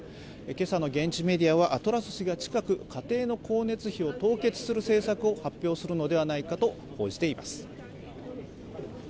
今朝の現地のメディアは家庭の光熱費を凍結する政策を発表するのではないかと報じています。